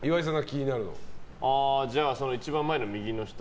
じゃあ、一番前の右の人。